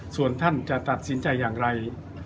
ส่วนท่านจะตัดสินใจอย่างไร